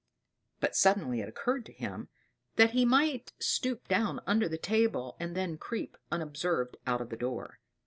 But suddenly it occurred to him that he might stoop down under the table, and then creep unobserved out of the door.